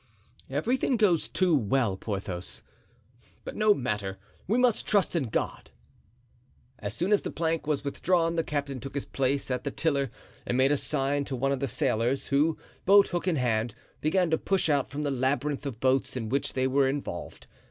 "Everything goes too well, Porthos. But no matter; we must trust in God." As soon as the plank was withdrawn the captain took his place at the tiller and made a sign to one of the sailors, who, boat hook in hand, began to push out from the labyrinth of boats in which they were involved.